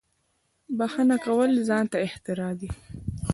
• بښنه کول ځان ته احترام دی.